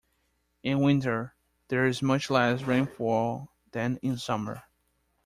In winter, there is much less rainfall than in summer.